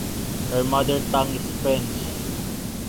Her mother tongue is French.